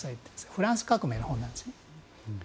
フランス革命の本なんです。